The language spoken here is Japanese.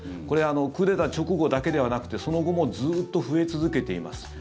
これクーデター直後だけではなくてその後もずっと増え続けています。